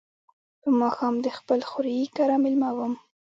په ماښام د خپل خوریي کره مېلمه وم.